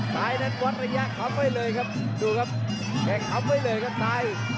สายนั้นวอดระยะขับให้เลยครับดูครับแกนขับให้เลยครับสาย